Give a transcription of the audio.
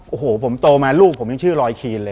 โอ้โหผมโตมาลูกผมยังชื่อรอยคีนเลย